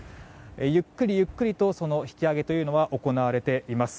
ゆっくりゆっくりと引き揚げは行われています。